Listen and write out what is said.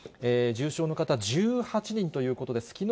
重症の方、１８人ということです。